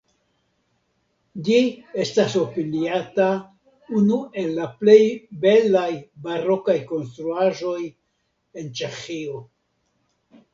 Ĝi estas opiniata unu el la plej belaj barokaj konstruaĵoj en Ĉeĥio.